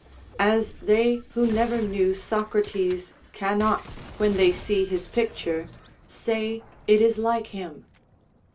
As they who never knew Socrates cannot, when they see his picture, say it is like him.